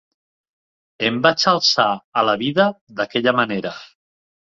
Em vaig alçar a la vida d'aquella manera.